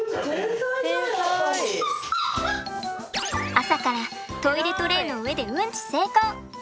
朝からトイレトレーの上でうんち成功！